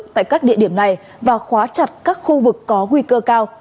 tại các địa điểm này và khóa chặt các khu vực có nguy cơ cao